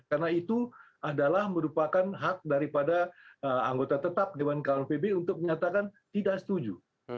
karena itu adalah merupakan hak daripada anggota tetap dewan keamanan pbb untuk menyatakan tidak setuju